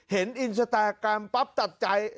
เห็นอินสเตอร์กรรมปั๊บจัดใจ